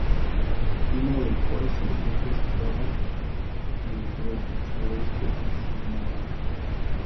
Pino del Oro se encuentra situado en el suroeste zamorano.